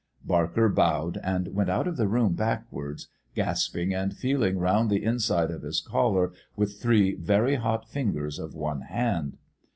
Barker bowed and went out of the room backwards, gasping and feeling round the inside of his collar with three very hot fingers of one hand.